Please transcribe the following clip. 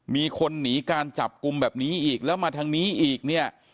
มีคนหนีการจับกลุ่มแบบนี้อีกแล้วมาทางนี้อีกเนี่ย